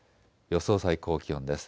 予想最高気温です。